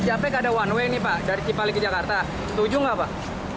di jakarta cikampek ada one way nih pak dari cipali ke jakarta setuju gak pak